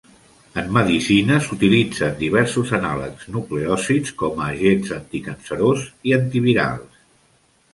En medicina, s'utilitzen diversos anàlegs nucleòsids com a agents anticancerós i antivirals.